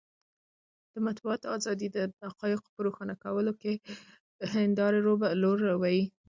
د مطبوعاتو ازادي د ټولنې د حقایقو په روښانولو کې د هندارې رول لوبوي.